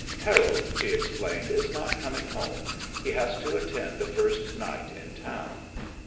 "Harold," she explained, "is not coming home. He has to attend a first night in town."